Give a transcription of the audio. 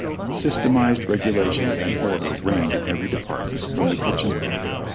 Systematized regulations and order reigned in every department from the kitchen up.